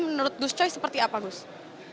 menurut gus coy seperti apa gus